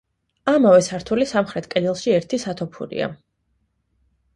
ამავე სართულის სამხრეთ კედელში ერთი სათოფურია.